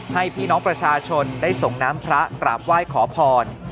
พี่น้องประชาชนได้ส่งน้ำพระกราบไหว้ขอพร